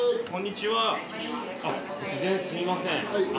突然すみません。